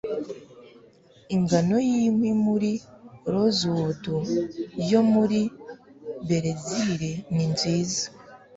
Ingano yinkwi muri rosewood yo muri Berezile ni nziza